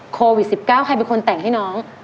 โควิด๑๙ใครเป็นคนแต่งให้น้อง